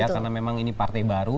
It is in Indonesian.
karena memang ini partai baru